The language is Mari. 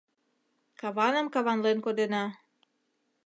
Каваным каванлен кодена.